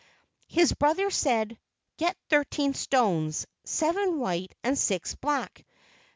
His brother said: "Get thirteen stones—seven white and six black.